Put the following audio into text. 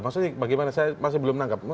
maksudnya bagaimana saya masih belum menangkap